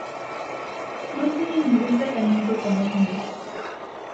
No tiene ningún tratamiento conocido.